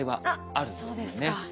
あっそうですか。